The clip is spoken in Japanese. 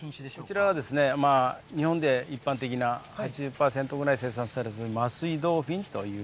こちらは、日本で一般的な８０％ぐらい生産されています、桝井ドーフィン。